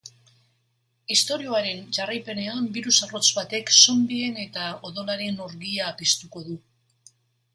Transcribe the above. Istorioaren jarraipenean birus arrotz batek zonbien eta odolaren orgia piztuko du.